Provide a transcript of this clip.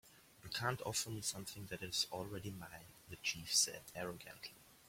"You can't offer me something that is already mine," the chief said, arrogantly.